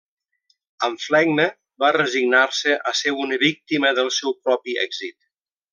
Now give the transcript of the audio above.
Amb flegma va resignar-se a ser una víctima del seu propi èxit.